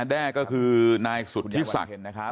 แด้ก็คือนายสุธิศักดิ์นะครับ